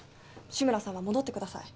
志村さんは戻ってください